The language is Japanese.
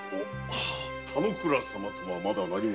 田之倉様とはまだ何も？